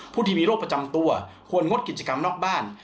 ผู้ที่มีโรคประจำตัวควรงดกิจกรรมนอกบ้าน